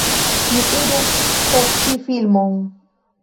Ni iru spekti filmon.